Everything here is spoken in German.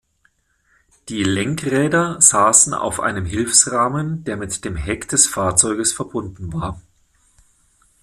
Die „Lenkräder“ saßen auf einem Hilfsrahmen, der mit dem Heck des Fahrzeuges verbunden war.